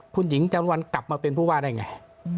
คุณหญิงจันวัลกลับมาเป็นผู้ว่าได้ไง